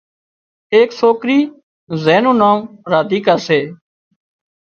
ايڪ سوڪري زين نُون نان راديڪا سي